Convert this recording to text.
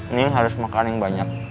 ini harus makan yang banyak